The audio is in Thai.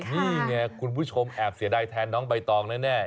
นี่ไงคุณผู้ชมแอบเสียดายแทนน้องใบตองแน่